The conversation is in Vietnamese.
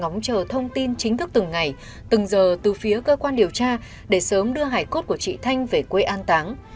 phóng chờ thông tin chính thức từng ngày từng giờ từ phía cơ quan điều tra để sớm đưa hải cốt của chị thanh về quê an táng